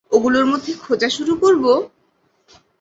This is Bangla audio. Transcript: ওগুলোর মধ্যে খোঁজা শুরু করবো?